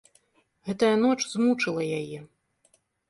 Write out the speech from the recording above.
Гэтая ноч змучыла яе.